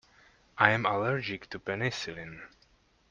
I am allergic to penicillin.